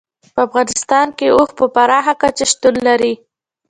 په افغانستان کې اوښ په پراخه کچه شتون لري.